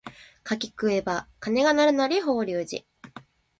柿食えば鐘が鳴るなり法隆寺